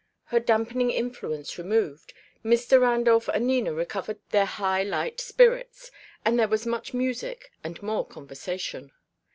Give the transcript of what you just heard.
Her dampening influence removed, Mr. Randolph and Nina recovered their high light spirits; and there was much music and more conversation.